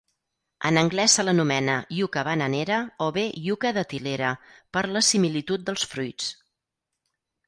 En anglès se l'anomena iuca bananera o bé iuca datilera per la similitud dels fruits.